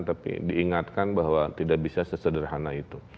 tapi diingatkan bahwa tidak bisa sesederhana itu